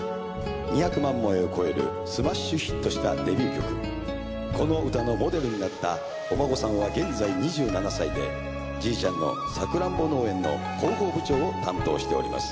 ２００万枚を超えるスマッシュヒットしたデビュー曲この歌のモデルになったお孫さんは現在２７歳でじいちゃんのさくらんぼ農園の広報部長を担当しております。